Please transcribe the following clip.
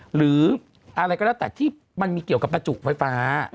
หรืออะไรก็แล้วแต่ที่มันมีเกี่ยวกับประจุไฟฟ้า